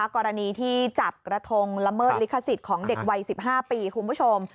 กรณีที่จับกระทงละเมิดลิขสิทธิ์ของเด็กวัย๑๕ปีคุณผู้ชม